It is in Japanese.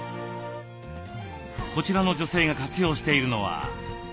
こちらの女性が活用しているのは。